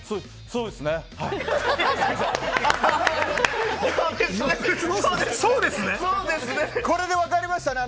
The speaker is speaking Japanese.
そうですね？